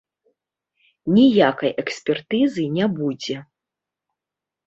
Ніякай экспертызы не будзе.